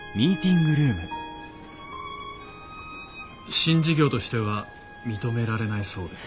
新事業としては認められないそうです。